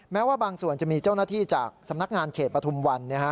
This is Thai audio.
แม้ว่าบางส่วนจะมีเจ้าหน้าที่จากสำนักงานเขตปฐุมวัน